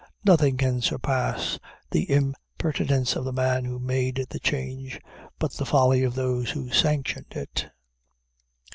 Nothing can surpass the impertinence of the man who made the change, but the folly of those who sanctioned it.